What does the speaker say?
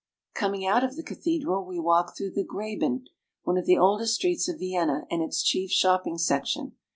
Coming out of the cathedral, we walk through the Graben, one of the oldest streets of Vienna and its chief shopping section.